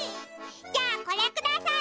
じゃあこれください。